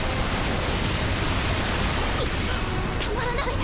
止まらない！